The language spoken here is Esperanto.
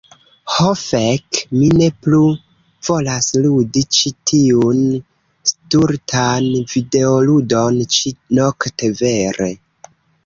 Ho fek, mi ne plu volas ludi ĉi tiun stultan videoludon ĉi-nokte. Vere.